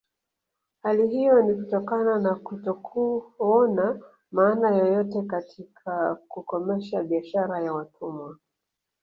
Hali hiyo ni kutokana na kutokuona maana yoyote katika kukomesha biashara ya watumwa